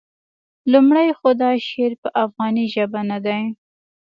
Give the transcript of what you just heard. لومړی خو دا شعر په افغاني ژبه نه دی.